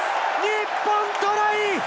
日本、トライ！